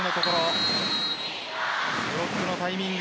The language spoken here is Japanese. ブロックのタイミング